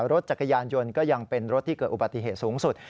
รถจักรยานยนต์ก็ยังเป็นรถที่เกิดอุบัติเหตุสูงสุด